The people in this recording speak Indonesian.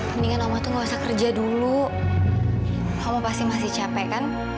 aida butuh bapak